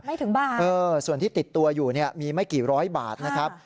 ไม่ถึงบาทเออส่วนที่ติดตัวอยู่เนี่ยมีไม่กี่ร้อยบาทนะครับ